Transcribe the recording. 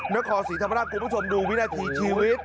นครศรีธรรมราชคุณผู้ชมดูวินาทีชีวิต